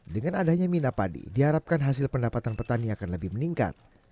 dengan adanya mina padi diharapkan hasil pendapatan petani akan lebih meningkat